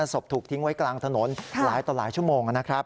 ศพถูกทิ้งไว้กลางถนนหลายต่อหลายชั่วโมงนะครับ